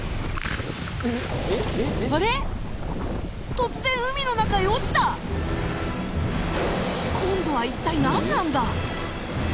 突然海の中へ落ちた今度は一体何なんだ